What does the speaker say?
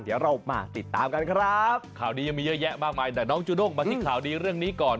เดี๋ยวเรามาติดตามกันครับข่าวนี้ยังมีเยอะแยะมากมายแต่น้องจูด้งมาที่ข่าวดีเรื่องนี้ก่อน